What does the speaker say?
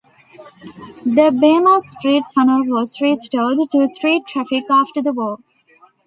The Bema Street tunnel was restored to street traffic after the war.